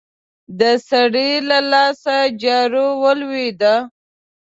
د سړي له لاسه جارو ولوېده.